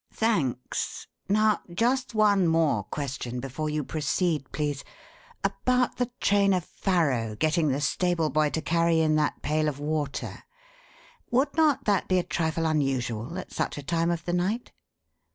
"Thanks. Now just one more question before you proceed, please: About the trainer Farrow getting the stable boy to carry in that pail of water. Would not that be a trifle unusual at such a time of the night?"